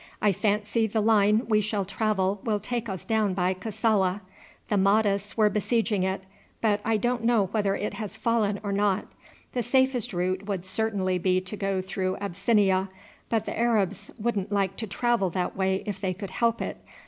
I fancy the line we shall travel will take us down by Kassala. The Mahdists were besieging it, but I don't know whether it has fallen or not. The safest route would certainly be to go through Abyssinia, but the Arabs wouldn't like to travel that way if they could help it.